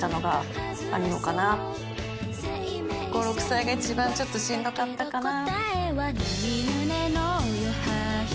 ５６歳が一番しんどかったかな。